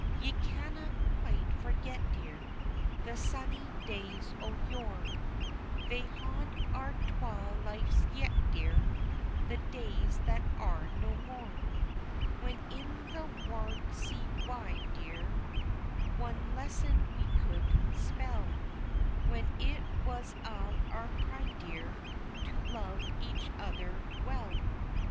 Ye canna quite forget, dear, The sunny days o' yore, They haud our twa lives yet, dear, The days that are no more. When in the warld sae wide, dear, One lesson we could spell When it was a' our pride, dear, To love each other well.